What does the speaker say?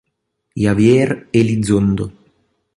Javier Elizondo